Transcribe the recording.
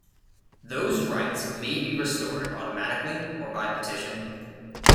Those rights may be restored automatically or by petition.